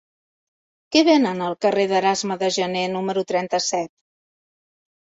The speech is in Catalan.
Què venen al carrer d'Erasme de Janer número trenta-set?